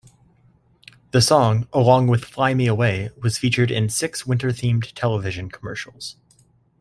The song, along with "Fly Me Away", was featured in six winter-themed television commercials.